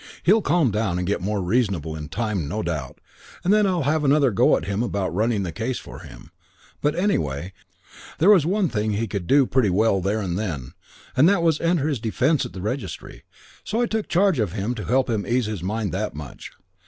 He'll calm down and get more reasonable in time, no doubt, and then I'll have another go at him about running the case for him; but anyway, there was the one thing he could do pretty well there and then, and that was enter his defence at the registry. So I took charge of him to help him ease his mind that much.